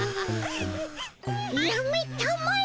やめたまえ。